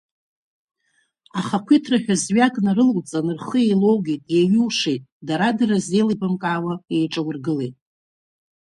Ахақәиҭра ҳәа зҩак нарылоуҵан, рхы еилоугеит, еиҩушеит, дара-дара зеилибамкаауа еиҿаургылеит!